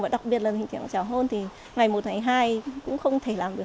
và đặc biệt là hình thường trào hôn thì ngày một ngày hai cũng không thể làm được